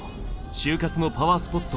就活のパワースポット